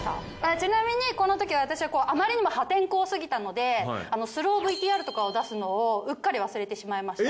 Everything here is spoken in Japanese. ちなみにこのとき私はあまりにも破天荒すぎたのでスローＶＴＲとかを出すのをうっかり忘れてしまいました。